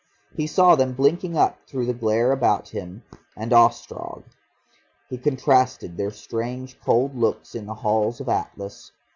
He saw them blinking up through the glare about him and Ostrog. He contrasted their strange cold looks in the Hall of Atlas....